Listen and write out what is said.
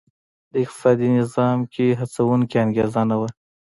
د اقتصادي نظام کې هڅوونکې انګېزه نه وه.